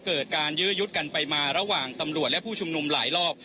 เกิดการยื้อยุดกันไปมาระหว่างตำรวจและผู้ชุมนุมหลายรอบ